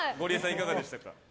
いかがでしたか。